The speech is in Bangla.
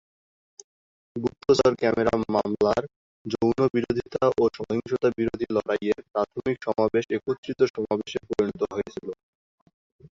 গুপ্তচর ক্যামেরা মামলার যৌন-বিরোধীতা ও সহিংসতা -বিরোধী লড়াইয়ের প্রাথমিক সমাবেশ একত্রীত সমাবেশে পরিণত হয়েছিল।